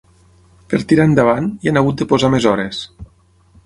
Per tirar endavant, hi han hagut de posar més hores.